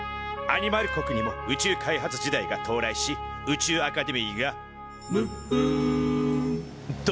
アニマル国にも宇宙開発時代が到来し宇宙アカデミーが「むっふん！！」と誕生。